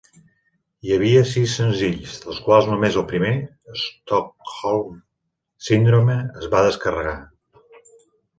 Hi havia sis senzills, dels quals només el primer, "Stockholm Syndrome", es va descarregar.